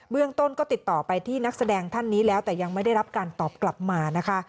เรื่องต้นก็ติดต่อไปที่นักแสดงท่านนี้แล้วแต่ยังไม่ได้รับการตอบกลับมานะคะ